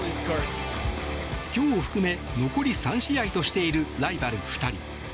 今日を含め残り３試合としているライバル２人。